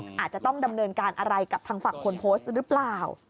อาจจะต้องดำเนินการอะไรกับทางฝั่งคนโพสต์หรือเปล่า